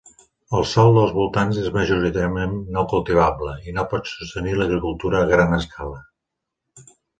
El sòl dels voltants és majoritàriament no cultivable i no pot sostenir l'agricultura a gran escala.